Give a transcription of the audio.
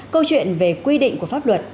câu chuyện về quy định của pháp luật